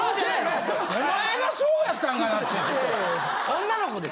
お前がそうやったんかなって。